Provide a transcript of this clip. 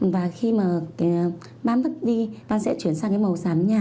và khi mà ban bắt đi ban sẽ chuyển sang màu xám nhẹ